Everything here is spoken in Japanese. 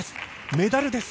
メダルです。